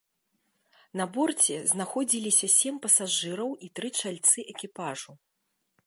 На борце знаходзіліся сем пасажыраў і тры чальцы экіпажу.